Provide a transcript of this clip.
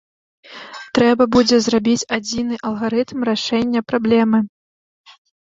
Трэба будзе зрабіць адзіны алгарытм рашэння праблемы.